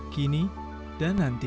kini dan nanti